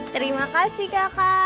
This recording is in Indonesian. terima kasih kakak